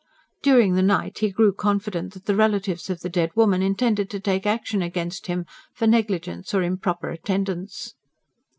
During the night he grew confident that the relatives of the dead woman intended to take action against him, for negligence or improper attendance.